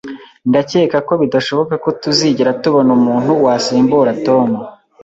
Ndacyeka ko bidashoboka ko tuzigera tubona umuntu wasimbura Tom